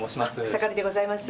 草刈でございます。